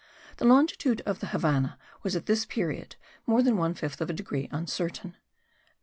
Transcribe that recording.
The longitude of the Havannah was at this period more than one fifth of a degree uncertain.